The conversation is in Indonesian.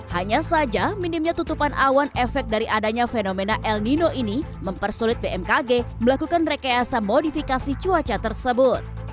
hanya saja minimnya tutupan awan efek dari adanya fenomena el nino ini mempersulit bmkg melakukan rekayasa modifikasi cuaca tersebut